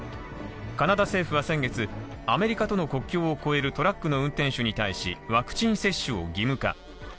カナダ政府は先月、アメリカとの国境を越えるトラックの運転手に対しワクチン接種を義務化。